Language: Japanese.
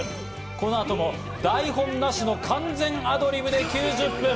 この後も台本なしの完全アドリブで９０分。